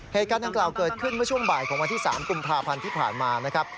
เหตุการณ์ดังกล่าวเกิดขึ้นเมื่อช่วงบ่ายของวันที่๓กุมภาพันธ์ที่ผ่านมานะครับ